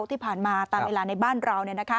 ที่ผ่านมาตามเวลาในบ้านเรา